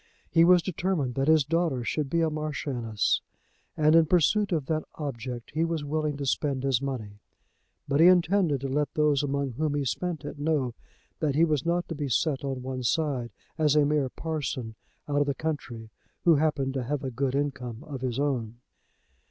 He was determined that his daughter should be a Marchioness, and in pursuit of that object he was willing to spend his money; but he intended to let those among whom he spent it know that he was not to be set on one side, as a mere parson out of the country, who happened to have a good income of his own.